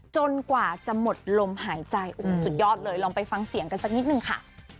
จนกว่าจะหมดลมหายใจโอ้โหสุดยอดเลยลองไปฟังเสียงกันสักนิดนึงค่ะ